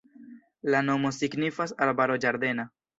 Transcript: La nomo signifas arbaro-ĝardena.